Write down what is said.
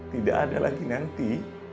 tidak ada lagi nanti